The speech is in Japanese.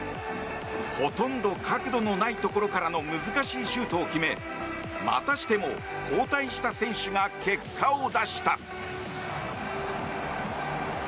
ほとんど角度のないところからの難しいシュートを決めまたしても交代した選手が結果を出した。